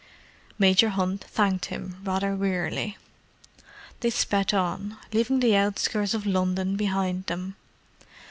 Major Hunt thanked him, rather wearily. They sped on, leaving the outskirts of London behind them.